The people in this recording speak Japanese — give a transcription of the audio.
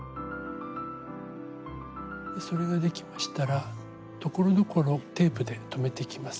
それができましたらところどころテープで留めていきます。